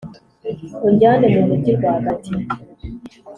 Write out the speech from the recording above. unjyane mu mujyi rwagati.